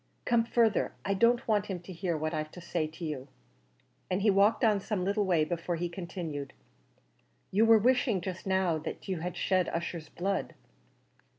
"Come further; I don't want him to hear what I've to say to you;" and he walked on some little way before he continued, "you were wishing just now that you had shed Ussher's blood?"